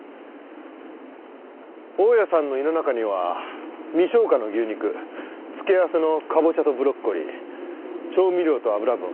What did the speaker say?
大屋さんの胃の中には未消化の牛肉付け合わせのかぼちゃとブロッコリー調味料と脂分。